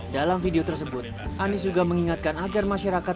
dalam video tersebut anies juga mengingatkan agar masyarakat